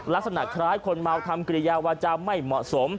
ลักษณะคล้ายคนเมาทำกิริยาวาจาไม่เหมาะสม